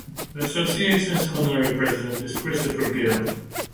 The Association's honorary President is Christopher Gill.